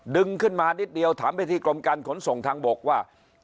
ดึงขึ้นมานิดเดียวถามไปที่กรมการขนส่งทางบกว่า